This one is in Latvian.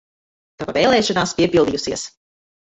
Tava vēlēšanās piepildījusies!